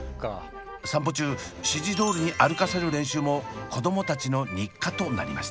散歩中指示どおりに歩かせる練習も子どもたちの日課となりました。